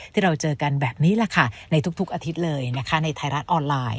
ที่เราเจอกันแบบนี้แหละค่ะในทุกอาทิตย์เลยนะคะในไทยรัฐออนไลน์